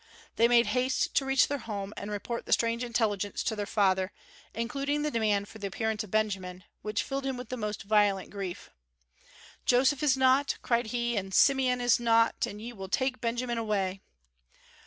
They made haste to reach their home and report the strange intelligence to their father, including the demand for the appearance of Benjamin, which filled him with the most violent grief. "Joseph is not," cried he, "and Simeon is not, and ye will take Benjamin away!"